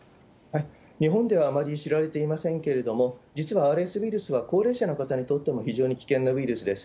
日本ではあまり知られていませんけれども、実はＲＳウイルスは高齢者の方にとっても非常に危険なウイルスです。